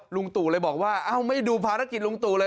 ลุงตู่เลยบอกว่าเอ้าไม่ดูภารกิจลุงตู่เลย